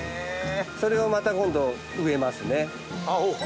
それをまた今度植えますね。